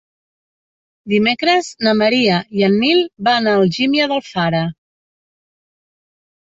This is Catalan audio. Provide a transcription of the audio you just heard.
Dimecres na Maria i en Nil van a Algímia d'Alfara.